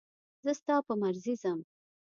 زه ستا په مرضي ځم.